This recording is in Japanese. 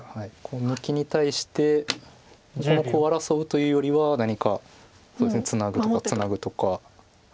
抜きに対してこのコウを争うというよりは何かツナぐとかツナぐとか。